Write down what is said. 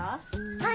はい！